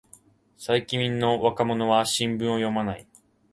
最近の若者は新聞を読まない